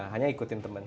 hanya ikutin teman